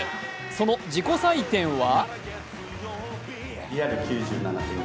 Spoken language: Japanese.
その自己採点は？